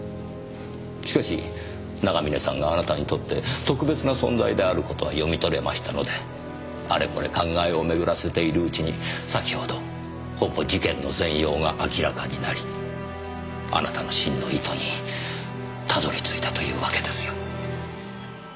しかし長峰さんがあなたにとって特別な存在である事は読み取れましたのであれこれ考えを巡らせているうちに先ほどほぼ事件の全容が明らかになりあなたの真の意図にたどり着いたというわけですよ。